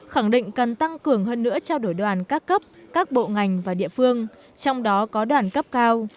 khẳng định cần tăng cường hơn nữa trao đổi đoàn các cấp các bộ ngành và địa phương trong đó có đoàn cấp cao